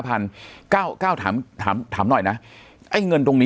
ปากกับภาคภูมิ